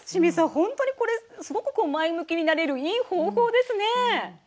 本当にこれすごく前向きになれるいい方法ですね。